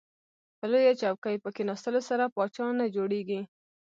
په لویه چوکۍ په کیناستلو سره پاچا نه جوړیږئ.